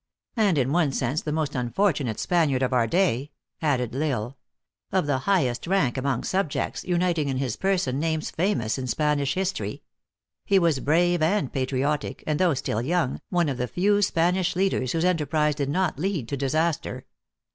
" And in one sense the most unfortunate Spaniard of our day," added L Isle. " Of the highest rank among subjects, uniting in his person names famous in Spanish history ; he was brave and patriotic, and though still young, one of the few Spanish leaders whose enterprize did not lead to disaster.